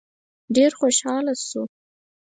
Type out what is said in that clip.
ډېر خوشحاله شو.